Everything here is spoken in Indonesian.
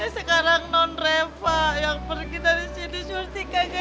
sekarang non noreva yang pergi dari sini surti kagak jadi